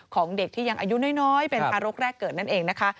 ของเด็กที่ยังอายุน้อยเป็นทารกแรกเกิดนั่นเองนะคะ